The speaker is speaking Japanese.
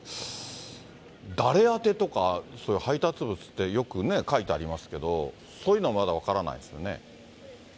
誰宛てとか、それ、配達物ってよくね、書いてありますけど、そういうのはまだ分からないですよね。